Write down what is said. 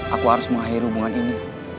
aku harus mengakhiri hubungan ini